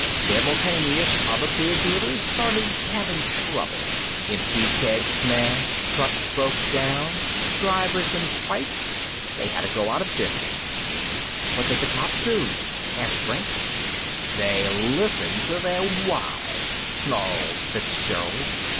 "Simultaneous other beer dealers started havin' trouble. Empty kegs smashed. Trucks broke down. Drivers in fights. They hadda go outta business!" "What did the cops do?" asked Brink. "They listened to their wives!" snarled Fitzgerald.